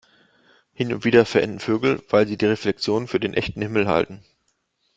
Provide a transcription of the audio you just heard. Hin und wieder verenden Vögel, weil sie die Reflexion für den echten Himmel halten.